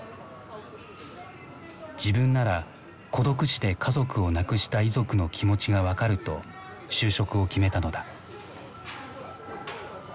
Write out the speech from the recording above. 自分なら孤独死で家族を亡くした遺族の気持ちが分かると就職を決めたのだ。